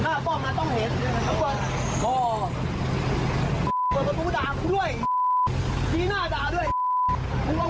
อ๋อเค้าปาดคืนแล้วเราเปิดประตูลงไปด่าเค้าจริงไหม